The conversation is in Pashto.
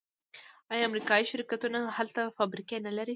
آیا امریکایی شرکتونه هلته فابریکې نلري؟